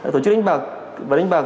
tổ chức đánh bạc và đánh bạc